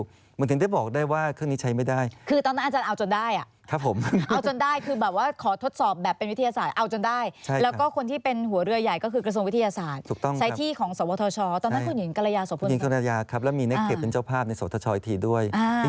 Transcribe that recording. เหมือนถึงได้บอกได้ว่าเครื่องนี้ใช้ไม่ได้